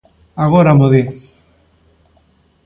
¡Agora mo di!